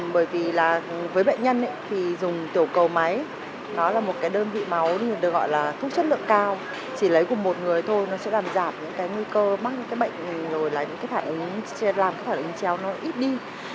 bởi vì với bệnh nhân thì dùng tiểu cầu máy đó là một đơn vị máu được gọi là thuốc chất lượng cao chỉ lấy cùng một người thôi nó sẽ làm giảm những nguy cơ mắc những bệnh làm những thải ứng treo nó ít đi